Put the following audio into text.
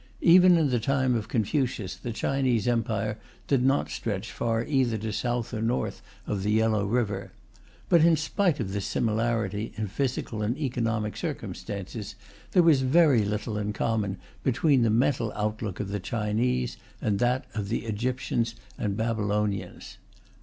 Even in the time of Confucius, the Chinese Empire did not stretch far either to south or north of the Yellow River. But in spite of this similarity in physical and economic circumstances, there was very little in common between the mental outlook of the Chinese and that of the Egyptians and Babylonians.